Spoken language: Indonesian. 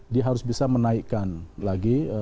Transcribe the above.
dia harus bisa menaikkan lagi